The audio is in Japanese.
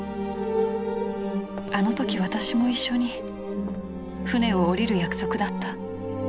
あの時わたしも一緒に船を下りる約束だった。